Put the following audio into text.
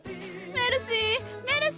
メルシー！